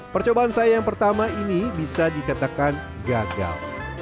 percobaan saya yang pertama ini bisa dikatakan gagal